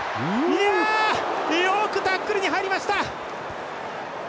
よくタックルに入りました！